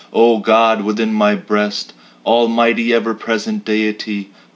O God within my breast, Almighty, ever present Deity!